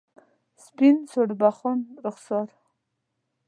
سپین سوربخن رخسار